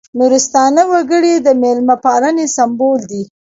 نورستاني وګړي د مېلمه پالنې سمبول دي.